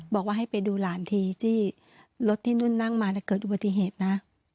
บอกว่าให้ไปดูหลานทีที่รถที่นุ่นนั่งมาเกิดอุบัติเหตุนะ